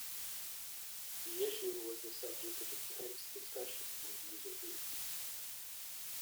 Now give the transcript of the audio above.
The issue was the subject of intense discussion among user groups.